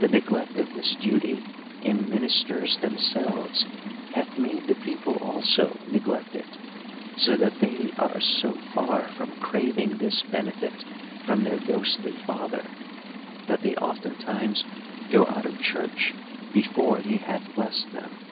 The neglect of this duty in ministers themselves, hath made the people also neglect it ; so that they are so far from crav ing this benefit from their ghostly father, that they often times go out of church before he hath blessed them.